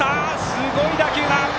すごい打球！